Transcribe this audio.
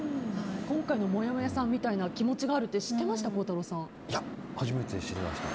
今回のもやもやさんみたいな気持ちがあるって初めて知りました。